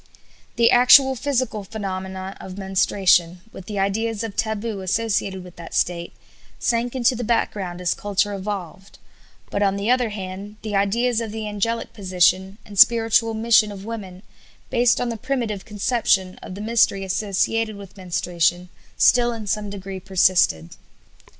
The actual physical phenomena of menstruation, with the ideas of taboo associated with that state, sank into the background as culture evolved; but, on the other hand, the ideas of the angelic position and spiritual mission of women, based on the primitive conception of the mystery associated with menstruation, still in some degree persisted.